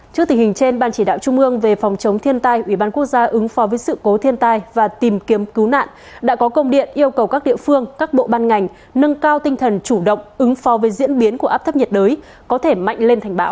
trước tình hình trên ban chỉ đạo trung ương về phòng chống thiên tai ủy ban quốc gia ứng phó với sự cố thiên tai và tìm kiếm cứu nạn đã có công điện yêu cầu các địa phương các bộ ban ngành nâng cao tinh thần chủ động ứng phó với diễn biến của áp thấp nhiệt đới có thể mạnh lên thành bão